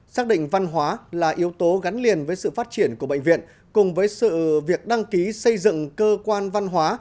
xác định văn hóa là yếu tố gắn liền với sự phát triển của bệnh viện cùng với sự việc đăng ký xây dựng cơ quan văn hóa